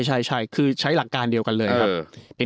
ใช่คือใช้หลักการเดียวกันเลยครับ